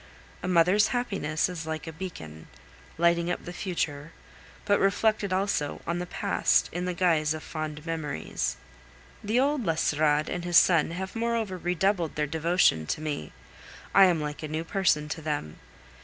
A mother's happiness is like a beacon, lighting up the future, but reflected also on the past in the guise of fond memories. The old l'Estorade and his son have moreover redoubled their devotion to me; I am like a new person to them.